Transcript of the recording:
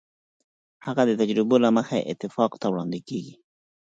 هغه د تجربو له مخې اتفاق ته وړاندې کېږي.